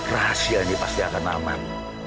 rahasia ini pasti akan aman